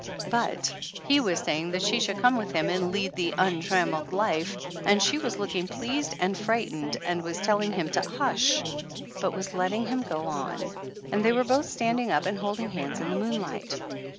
But he was saying that she should come with him and lead the untrammeled life, and she was looking pleased and frightened and was telling him to hush, but was letting him go on ; and they were both standing up and hold ing hands in the moonlight.